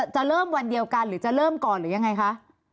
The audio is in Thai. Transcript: จะเริ่มวันเดียวกันหรือจะเริ่มก่อนหรือยังไงคะ